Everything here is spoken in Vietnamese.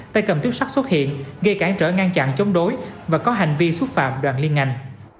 tay cầm tuyếp sắt xuất hiện gây cản trở ngăn chặn chống đối và có hành vi xúc phạm đoàn liên ngành